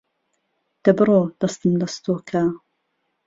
ده بڕۆ دهستم لهستۆ که